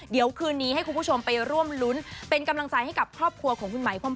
เดี๋ยวคืนนี้ให้คุณผู้ชมไปร่วมรุ้นเป็นกำลังใจให้กับครอบครัวของคุณไหมพร้อม